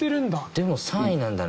でも３位なんだな。